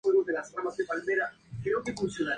Fueron diez los reyes de esta dinastía.